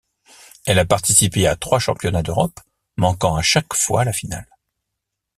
Elle a participé à trois championnats d'Europe, manquant à chaque fois la finale.